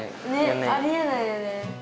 ねありえないよね。